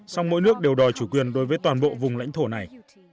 song mỗi nước đều đòi chủ quyền đối với toàn bộ vùng lãnh thổ này